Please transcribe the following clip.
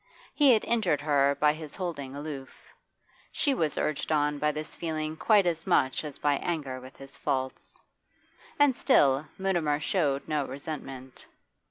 He had injured her by his holding aloof; she was urged on by this feeling quite as much as by anger with his faults. And still Mutimer showed no resentment.